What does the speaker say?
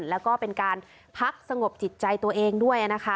แล้วก็เป็นการพักสงบจิตใจตัวเองด้วยนะคะ